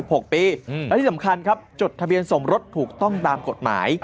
และที่สำคัญครับจดทะเบียนสมรสถูกต้องตามกฎหมาย